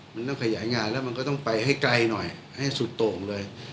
มันต้องขยายงานแล้วมันก็ต้องไปให้ไกลหน่อยให้สุดโต่งเลย